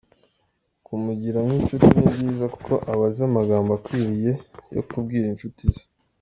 Kumugira nk’inshuti ni byiza kuko aba azi amagambo akwiriye yo kubwira inshuti ze.